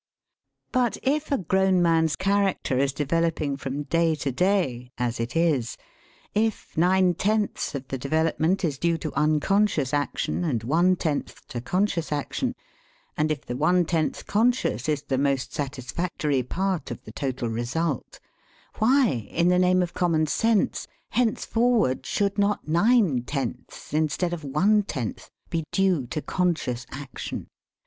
But if a grown man's character is developing from day to day (as it is), if nine tenths of the development is due to unconscious action and one tenth to conscious action, and if the one tenth conscious is the most satisfactory part of the total result; why, in the name of common sense, henceforward, should not nine tenths, instead of one tenth, be due to conscious action?